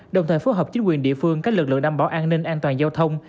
đồng thời phối hợp chính quyền địa phương các lực lượng đảm bảo an ninh an toàn giao thông